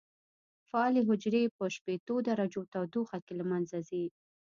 فعالې حجرې په شپېتو درجو تودوخه کې له منځه ځي.